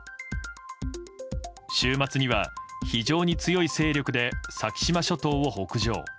週末には非常に強い勢力で先島諸島を北上。